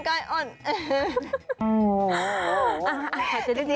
กลางกายอ่อน